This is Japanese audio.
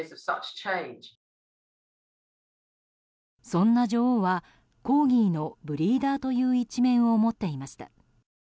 そんな女王はコーギーのブリーダーという一面を持っていました。